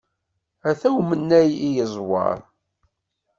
Ata umennay i yeẓwer!